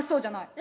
え？